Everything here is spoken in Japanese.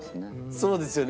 そうですよね。